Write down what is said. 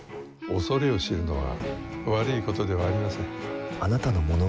恐れを知るのは悪いことではありません。